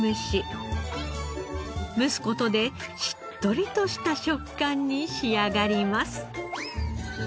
蒸す事でしっとりとした食感に仕上がります。